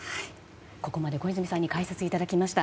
ここまで小泉さんに解説いただきました。